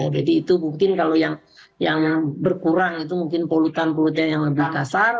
jadi itu mungkin kalau yang berkurang itu mungkin polutan polutan yang lebih kasar